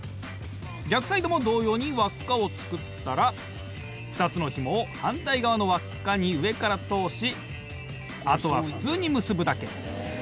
逆サイドも同様に輪っかをつくったら２つのひもを反対側の輪っかに上から通しあとは普通に結ぶだけ。